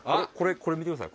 これ見てください。